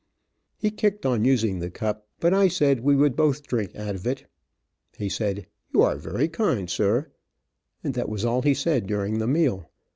He kicked on using the cup, but I said we would both drink out of it. He said, "you are very kind, sir," and that was all he said during the meal.